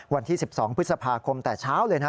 วันที่๑๒พฤษภาคมแต่เช้าเลยนะ